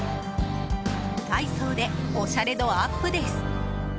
ダイソーでおしゃれ度アップです。